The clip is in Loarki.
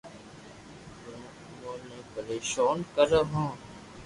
جي امون نو پرݾون ڪرو ھي